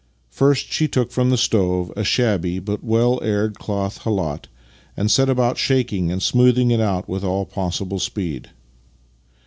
First she took from near the stove a shabby, but well aired, cloth khalat, and set about shaking and smoothing it out with all possible speed.